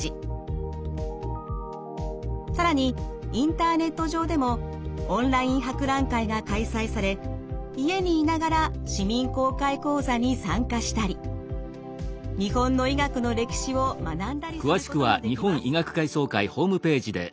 更にインターネット上でもオンライン博覧会が開催され家にいながら市民公開講座に参加したり日本の医学の歴史を学んだりすることもできます。